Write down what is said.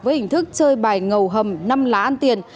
với hình thức chơi bài ngầu hầm năm lá ăn tiền